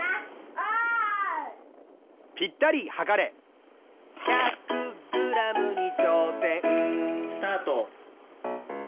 お！スタート。